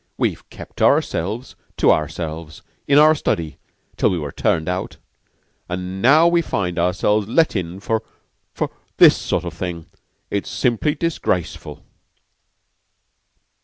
"We've kept ourselves to ourselves in our study till we were turned out, and now we find ourselves let in for for this sort of thing. It's simply disgraceful."